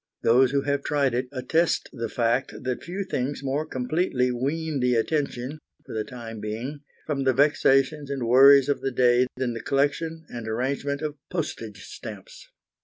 Those who have tried it attest the fact that few things more completely wean the attention, for the time being, from the vexations and worries of the day than the collection and arrangement of postage stamps.